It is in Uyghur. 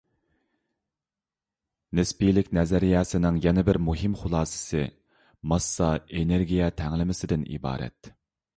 نىسپىيلىك نەزەرىيەسىنىڭ يەنە بىر مۇھىم خۇلاسىسى، ماسسا - ئېنېرگىيە تەڭلىمىسىدىن ئىبارەت.